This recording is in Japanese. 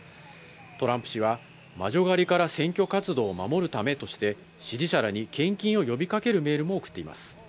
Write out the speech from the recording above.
トランプ氏は魔女狩りから選挙活動を守るためとして、支持者らに献金を呼びかけるメールも送っています。